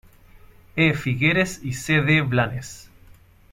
E. Figueres y C. D. Blanes.